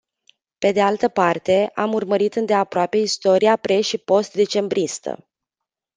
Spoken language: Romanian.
Pe de altă parte, am urmărit îndeaproape istoria pre și postdecembristă.